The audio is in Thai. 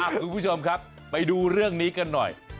คุณผู้ชมครับไปดูเรื่องนี้กันหน่อย